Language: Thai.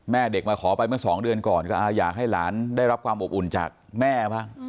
เด็กมาขอไปเมื่อ๒เดือนก่อนก็อยากให้หลานได้รับความอบอุ่นจากแม่บ้าง